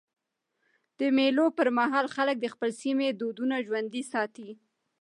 د مېلو پر مهال خلک د خپل سیمي دودونه ژوندي ساتي.